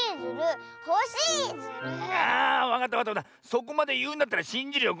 そこまでいうんだったらしんじるよ。